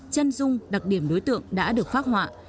chân dung đặc điểm đối tượng đã được phác họa